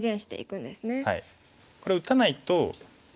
これ打たないと。